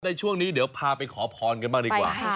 ในช่วงนี้เดี๋ยวพาไปขอพรกันบ้างดีกว่า